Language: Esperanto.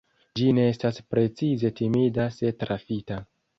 Ĝi ne estas precize timida se trafita.